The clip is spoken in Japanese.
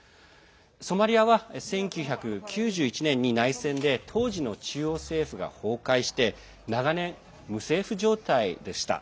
ソマリアは１９９１年に内戦で当時の中央政府が崩壊して長年、無政府状態でした。